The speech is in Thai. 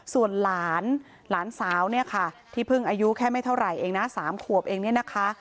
ส่วนหลานหลานสาวเนี่ยค่ะที่เพิ่งอายุแค่ไม่เท่าไหร่เองนะ๓ขวบเองเนี่ยนะคะ